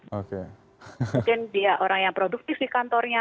mungkin dia orang yang produktif di kantornya